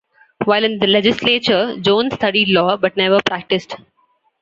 While in the legislature, Jones studied law, but never practiced.